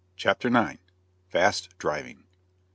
CHAPTER IX. FAST DRIVING.